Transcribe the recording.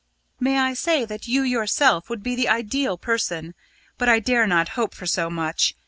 May I say that you yourself would be the ideal person. But I dare not hope for so much.